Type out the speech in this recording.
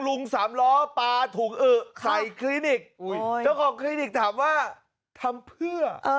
สามล้อปลาถุงอึใส่คลินิกเจ้าของคลินิกถามว่าทำเพื่อ